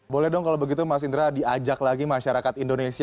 boleh dong kalau begitu mas indra diajak lagi masyarakat indonesia